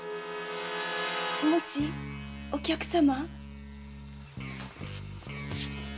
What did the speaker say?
もしお客様？